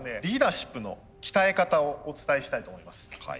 リーダーシップの鍛え方をお伝えしたいと思います。